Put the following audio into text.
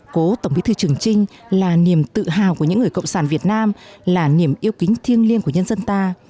cố tổng bí thư trường trinh là niềm tự hào của những người cộng sản việt nam là niềm yêu kính thiêng liêng của nhân dân ta